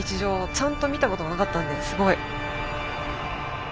ちゃんと見たことがなかったんですごい。